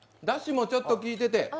だしもちょっと効いてて。